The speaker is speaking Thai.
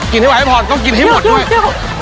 ให้ไว้ให้พรต้องกินให้หมดด้วย